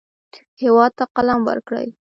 هېواد ته قلم ورکړئ